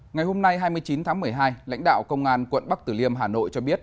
ngày hôm nay hai mươi chín tháng một mươi hai lãnh đạo công an quận bắc tử liêm hà nội cho biết